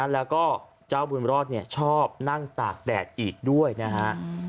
แล้วก็เจ้าบุญรอดชอบนั่งตากแดดอีกด้วยนะฮะ